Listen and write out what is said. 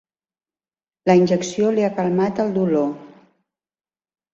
La injecció li ha calmat el dolor.